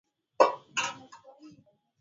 hayo yote yaliufanya mkataba kuwa na ufanisi zaidi